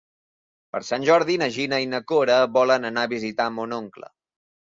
Per Sant Jordi na Gina i na Cora volen anar a visitar mon oncle.